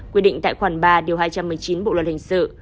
quy định tại khoản ba điều hai trăm một mươi chín bộ luật hình sự